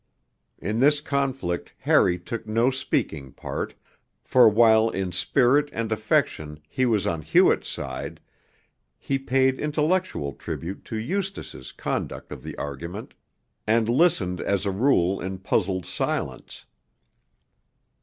In this conflict Harry took no speaking part, for while in spirit and affection he was on Hewett's side, he paid intellectual tribute to Eustace's conduct of the argument, and listened as a rule in puzzled silence.